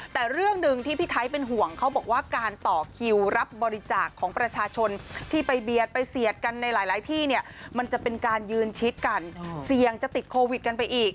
แต่เรื่องหนึ่งที่พี่ไทยเป็นห่วงเขาบอกว่าการต่อคิวรับบริจาคของประชาชนที่ไปเบียดไปเสียดกันในหลายที่เนี่ยมันจะเป็นการยืนชิดกันเสี่ยงจะติดโควิดกันไปอีก